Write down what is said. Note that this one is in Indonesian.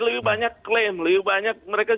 lebih banyak klaim lebih banyak mereka